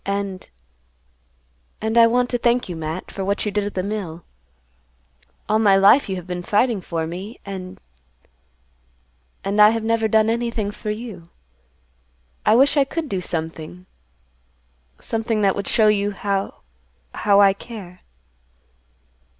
"And—and I want to thank you, Matt, for what you did at the mill. All my life you have been fighting for me, and—and I have never done anything for you. I wish I could do something—something that would show you how—how I care."